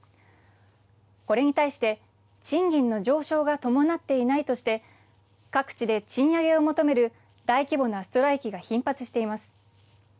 これに対して賃金の上昇が伴っていないとして各地で賃上げを求める大規模なストライキが頻発しています。